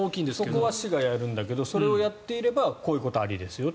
そこは市がやるんだけどそれをやっていればこういうことがありですよと。